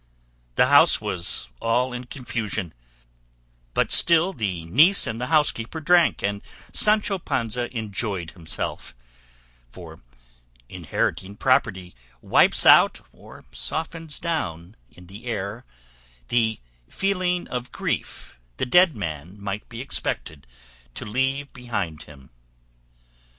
The house was all in confusion; but still the niece ate and the housekeeper drank and Sancho Panza enjoyed himself; for inheriting property wipes out or softens down in the heir the feeling of grief the dead man might be expected to leave behind him.